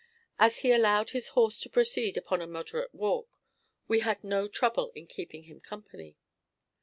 As he allowed his horse to proceed upon a moderate walk, we had no trouble in keeping him company.